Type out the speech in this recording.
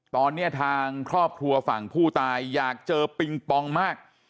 ตอนนี้ทางครอบครัวฝั่งผู้ตายอยากเจอปิงปองมาก